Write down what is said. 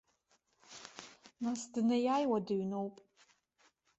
Нас днеи-ааиуа дыҩноуп.